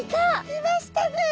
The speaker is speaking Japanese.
いましたね！